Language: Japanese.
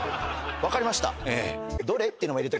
分かりました！